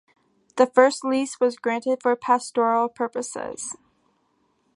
The first lease was granted for pastoral purposes.